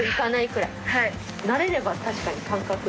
慣れれば確かに。